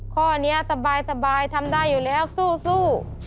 ข้อนี้สบายทำได้อยู่แล้วสู้